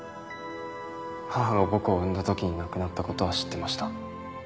母が僕を産んだときに亡くなったことは知ってました。